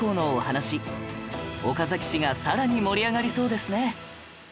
岡崎市がさらに盛り上がりそうですね